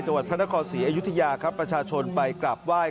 จังหวัดพระนครศรีอยุธยาครับประชาชนไปกลับไหว้